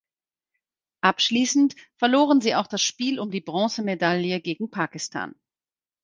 Abschließend verloren sie auch das Spiel um die Bronzemedaille gegen Pakistan.